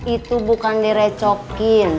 itu bukan direcokin